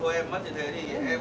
em buồn cười